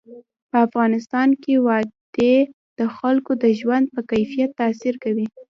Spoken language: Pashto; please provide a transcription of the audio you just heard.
په افغانستان کې وادي د خلکو د ژوند په کیفیت تاثیر کوي.